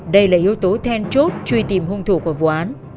đây là yếu tố then chốt truy tìm hung thủ của vụ án